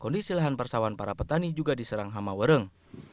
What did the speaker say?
dan persawan para petani juga diserang hamawereng